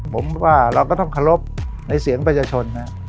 ผมว่าเราก็ต้องเคารพในเสียงประชาชนนะ